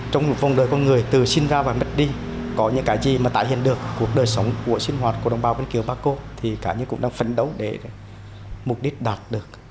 trong vòng đời con người từ sinh ra và mất đi có những cái gì mà tải hiện được cuộc đời sống của sinh hoạt của đồng bào vân kiều paco thì cả những cuộc đời phấn đấu để mục đích đạt được